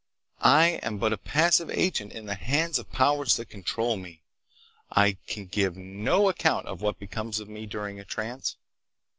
I am but a passive agent in the hands of powers that control me. I can give no account of what becomes of me during a trance.